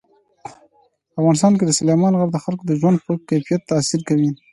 په افغانستان کې سلیمان غر د خلکو د ژوند په کیفیت تاثیر کوي.